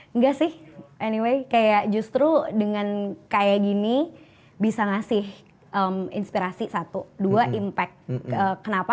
enggak sih anyway kayak justru dengan kayak gini bisa ngasih inspirasi satu dua impact kenapa